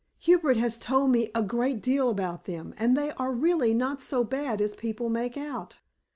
"Hubert has told me a great deal about them, and they are really not so bad as people make out."